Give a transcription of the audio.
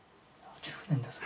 １０年ですか。